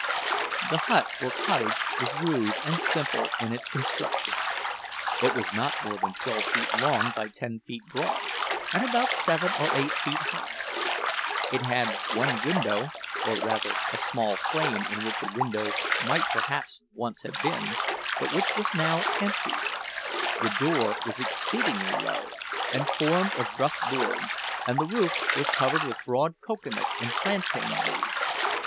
The hut or cottage was rude and simple in its construction. It was not more than twelve feet long by ten feet broad, and about seven or eight feet high. It had one window, or rather a small frame in which a window might perhaps once have been, but which was now empty. The door was exceedingly low, and formed of rough boards, and the roof was covered with broad cocoa nut and plantain leaves.